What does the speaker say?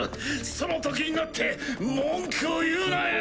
そのときになって文句を言うなよ！